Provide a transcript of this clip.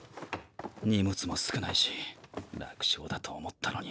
荷物も少ないし楽勝だと思ったのに。